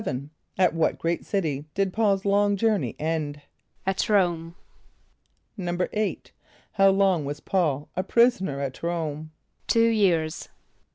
= At what great city did P[a:]ul's long journey end? =At R[=o]me.= =8.= How long was P[a:]ul a prisoner at R[=o]me? =Two years.